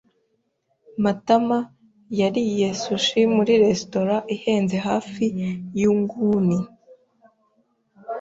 Matama yariye sushi muri resitora ihenze hafi yu nguni.